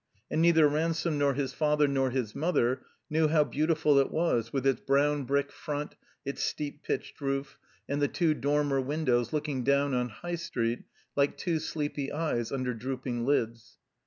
And neither Ransome nor his father nor his mother knew how beautiful it was with its brown brick front, its steep pitched roof, and the two dormer windows looking down on the High Street like two sleepy eyes under drooping lids.